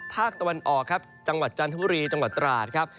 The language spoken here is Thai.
ภาคตะวันออกครับจังหวัดจันทบุรีจังหวัดตราดครับ